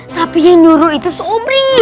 tapi yang nyuruh itu seubri